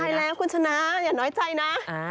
ใช่แล้วคุณชนะอย่าน้อยใจนะ